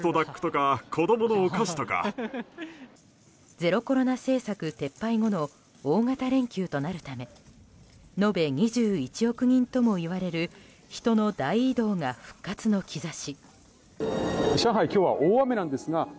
ゼロコロナ政策撤廃後の大型連休となるため延べ２１億人ともいわれる人の大移動が復活の兆し。